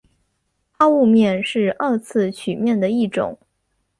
抛物面是二次曲面的一种。